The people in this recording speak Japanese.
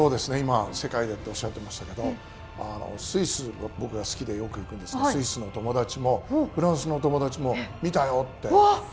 今、世界っておっしゃってましたけどスイス、僕が好きでよく行くんですがスイスの友達もフランスの友達も見たよって。